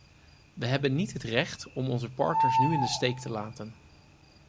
We hebben niet het recht om onze partners nu in de steek te laten.